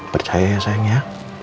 percaya ya sayang ya